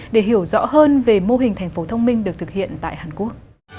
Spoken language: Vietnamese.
để hiểu rõ hơn về mô hình thành phố thông minh được thực hiện tại hàn quốc